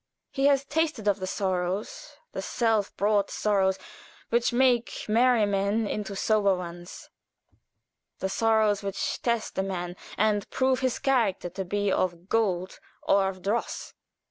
He has tasted of the sorrows the self brought sorrows which make merry men into sober ones, the sorrows which test a man and prove his character to be of gold or of dross, and therefore he is grave.